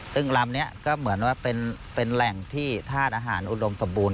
ซึ่งลำนี้ก็เหมือนว่าเป็นแหล่งที่ธาตุอาหารอุดมสมบูรณ